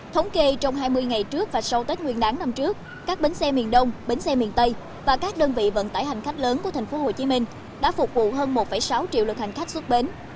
thống kê trong hai mươi ngày trước và sau tết nguyên đáng năm trước các bến xe miền đông bến xe miền tây và các đơn vị vận tải hành khách lớn của tp hcm đã phục vụ hơn một sáu triệu lượt hành khách xuất bến